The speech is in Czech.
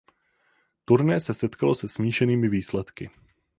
Turné se setkalo se smíšenými výsledky.